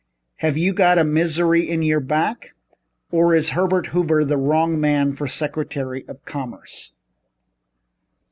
"Have you got a misery in your back, or is Herbert Hoover the wrong man for Secretary of Commerce?"